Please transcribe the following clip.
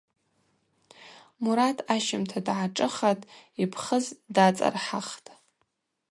Мурат ащымта дгӏашӏыхатӏ, йпхыз дацӏархӏахтӏ.